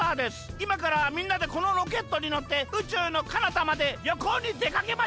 いまからみんなでこのロケットにのってうちゅうのかなたまでりょこうにでかけましょう！